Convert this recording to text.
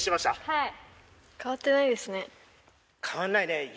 はい。